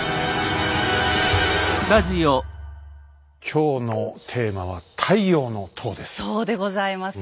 今日のテーマは「太陽の塔」です。